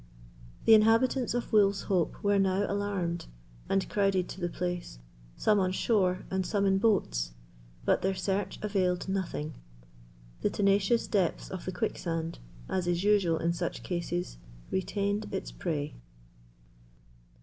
The inhabitants of Wolf's Hope were now alarmed, and crowded to the place, some on shore, and some in boats, but their search availed nothing. The tenacious depths of the quicksand, as is usual in such cases, retained its prey.